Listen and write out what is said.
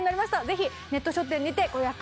ぜひネット書店にてご予約